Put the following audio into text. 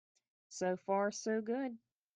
So far so good.